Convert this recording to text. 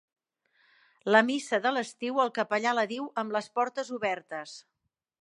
La missa de l’estiu el capellà la diu amb les portes obertes.